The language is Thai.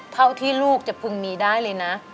เท่าที่ลูกจะพึงมีได้เลยนะ